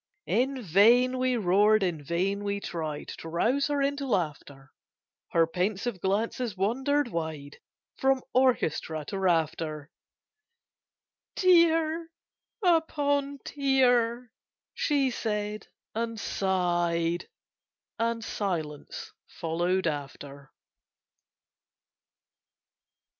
In vain we roared; in vain we tried To rouse her into laughter: Her pensive glances wandered wide From orchestra to rafter— "Tier upon tier!" she said, and sighed; And silence followed after.